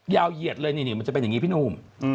ยาวเยียดเลยนิดมันจะเป็นอย่างนี้พี่หนู่